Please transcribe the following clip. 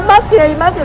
mất rồi mất rồi